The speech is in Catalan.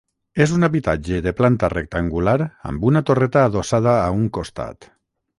És un habitatge de planta rectangular amb una torreta adossada a un costat.